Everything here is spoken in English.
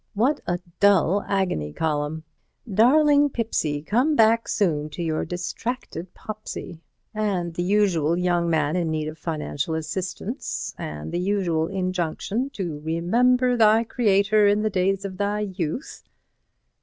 What a dull Agony Column! 'Darling Pipsey—Come back soon to your distracted Popsey'—and the usual young man in need of financial assistance, and the usual injunction to 'Remember thy Creator in the days of thy youth.'